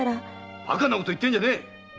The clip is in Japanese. バカなこと言うんじゃねえ！